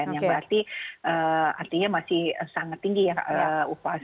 yang berarti artinya masih sangat tinggi ya kak upas